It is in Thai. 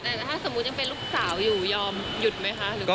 แต่ถ้าสมมุติยังเป็นลูกสาวอยู่ยอมหยุดไหมคะ